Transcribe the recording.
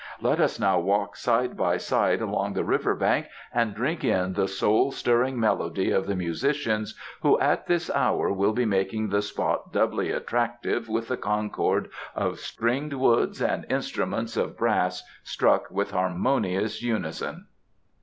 Let us now walk side by side along the river bank and drink in the soul stirring melody of the musicians who at this hour will be making the spot doubly attractive with the concord of stringed woods and instruments of brass struck with harmonious unison."